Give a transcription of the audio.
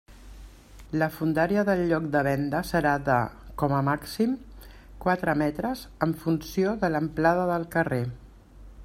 La fondària del lloc de venda serà de, com a màxim, quatre metres en funció de l'amplada del carrer.